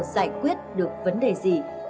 giải quyết được vấn đề gì